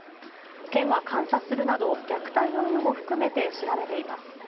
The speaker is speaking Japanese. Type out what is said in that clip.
県は監査するなど、虐待の有無も含めて調べています。